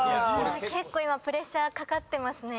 結構今プレッシャーかかってますね。